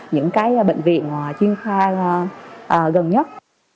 những cái bệnh viện chuyên khoa gần nhất